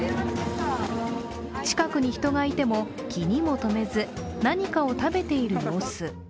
近くに人がいても気にもとめず、何かを食べている様子。